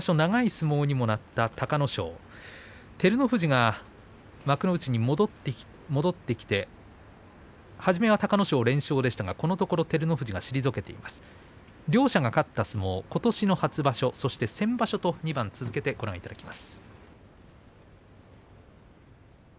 長い相撲にもなった隆の勝照ノ富士が幕内に戻ってきて初めは隆の勝連勝でしたがこのところ照ノ富士が退けています。両者が勝った相撲ことしの初場所先場所と２番続けてご覧いただきます。